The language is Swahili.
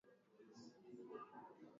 meli hiyo ilikuta watu wengi wameshakufa